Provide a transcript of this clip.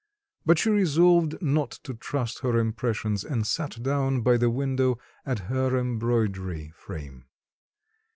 But she resolved not to trust her impressions, and sat down by the window at her embroidery frame.